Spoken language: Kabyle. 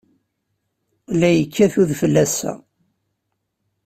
La yekkat udfel ass-a.